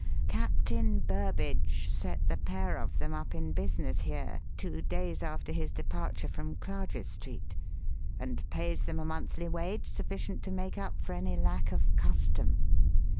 'Captain Burbage' set the pair of them up in business here two days after his departure from Clarges Street and pays them a monthly wage sufficient to make up for any lack of 'custom.'